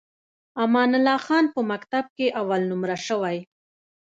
امان الله خان په مکتب کې اول نمره شوی.